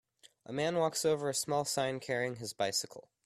A man walks over a small sign carrying his bicycle.